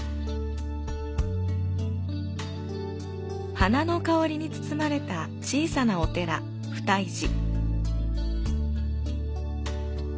花の香りに包まれた小さなお寺、不退寺。